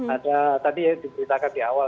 ada tadi diberitakan di awal